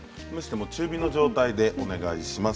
中火の状態でお願いします。